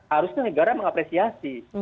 harusnya negara mengapresiasi